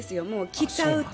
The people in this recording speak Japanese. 着ちゃうと。